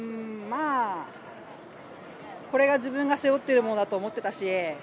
これが自分が背負っているものだと思っていたし。